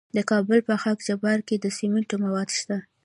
د کابل په خاک جبار کې د سمنټو مواد شته.